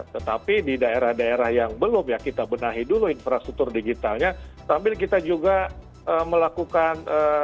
tetapi di daerah daerah yang belum ya kita benahi dulu infrastruktur digitalnya sambil kita juga melakukan